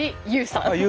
ＹＯＵさん。